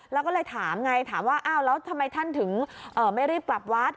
แล้วก็เลยถามไงถามว่าอ้าวแล้วทำไมท่านถึงไม่รีบกลับวัด